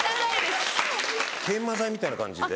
研磨剤みたいな感じで？